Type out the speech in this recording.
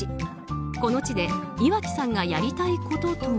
この地で岩城さんがやりたいこととは。